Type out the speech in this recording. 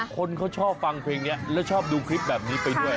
คนเขาชอบฟังเพลงนี้แล้วชอบดูคลิปแบบนี้ไปด้วย